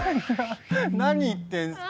何言ってんすか？